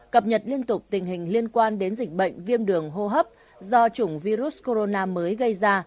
cập nhật liên tục tình hình liên quan đến dịch bệnh viêm đường hô hấp do chủng virus corona mới gây ra